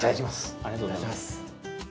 ありがとうございます。